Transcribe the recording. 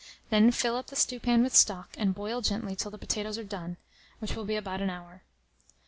Then fill up the stewpan with stock, and boil gently till the potatoes are done, which will be in about an hour.